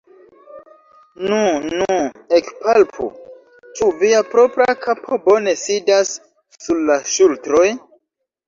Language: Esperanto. Nu, nu, ekpalpu, ĉu via propra kapo bone sidas sur la ŝultroj?